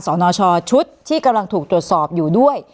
สนชชุดที่กำลังถูกตรวจสอบอยู่ด้วย